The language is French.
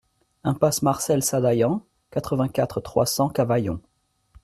Impasse Marcel Sadaillan, quatre-vingt-quatre, trois cents Cavaillon